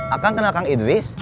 akang kenal kang idris